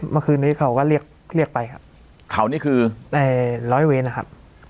เมื่อคืนนี้เขาก็เรียกเรียกไปครับเขานี่คือในร้อยเวรนะครับ